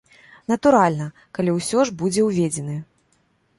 Натуральна, калі ўсё ж будзе ўведзены.